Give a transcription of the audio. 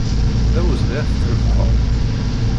D awezɣi ad t-trebḥeḍ.